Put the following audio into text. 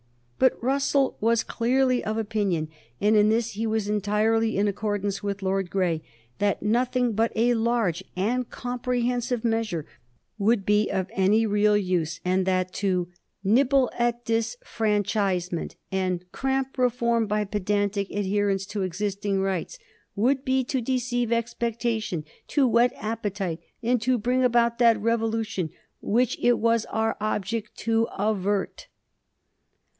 But Russell was clearly of opinion, and in this he was entirely in accordance with Lord Grey, that nothing but a large and comprehensive measure would be of any real use, and that "to nibble at disfranchisement and cramp reform by pedantic adherence to existing rights would be to deceive expectation, to whet appetite, and to bring about that revolution which it was our object to avert."